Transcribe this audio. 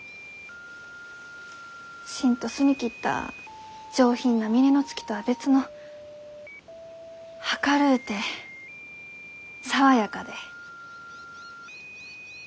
シンと澄み切った上品な峰乃月とは別の明るうて爽やかで青空みたいな酒！